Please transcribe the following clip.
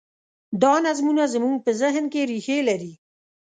دا نظمونه زموږ په ذهن کې رېښې لري.